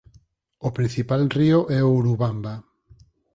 O principal río é o Urubamba.